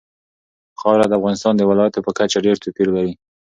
خاوره د افغانستان د ولایاتو په کچه ډېر توپیر لري.